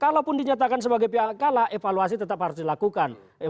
kalaupun dinyatakan sebagai pihak kalah evaluasi tetap harus dilakukan